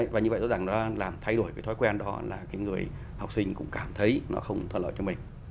và như vậy rõ ràng nó làm thay đổi cái thói quen đó là cái người học sinh cũng cảm thấy nó không thuận lợi cho mình